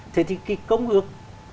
thế thì cái công ước